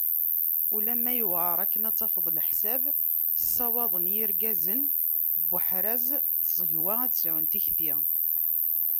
Ulama yewɛer akken ad tafeḍ leḥsab, ssawaḍen yirgazen n uḥraz n tẓegwa ad sɛun tikti.